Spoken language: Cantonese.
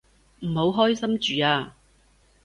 唔好開心住啊